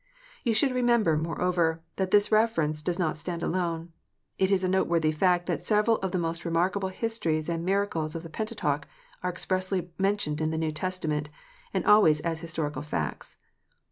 You should remember, moreover, that this reference does not stand alone. It is a noteworthy fact that several of the most remarkable histories and miracles of the Pentateuch are expressly mentioned in the New Testament, and always as historical facts.